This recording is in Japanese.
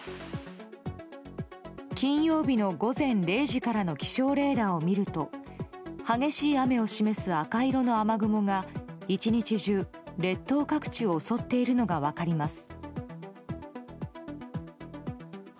金曜日の午前０時からの気象レーダーを見ると激しい雨を示す赤色の雨雲が１日中列島各地を襲っているのが分かります。